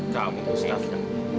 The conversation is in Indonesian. kamu gustaf kan